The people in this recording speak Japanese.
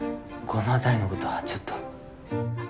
この辺りのことはちょっと。